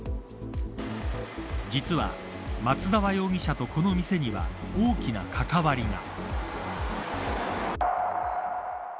実は、松沢容疑者とこの店には大きな関わりが。